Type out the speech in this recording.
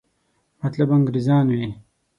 مطلب انګریزان وي.